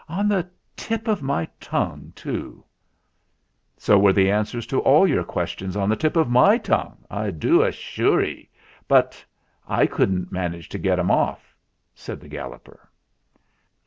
"On the tip of my tongue too !" "So were the answers to all your questions on the tip of my tongue, I do assure 'e. But I couldn't manage to get 'em off!" said the Gal loper.